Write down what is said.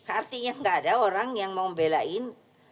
artinya nggak ada orang yang mau membelain